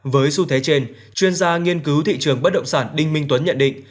với xu thế trên chuyên gia nghiên cứu thị trường bất động sản đinh minh tuấn nhận định